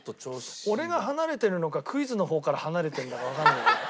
俺が離れてるのかクイズの方から離れてるんだかわかんないけど。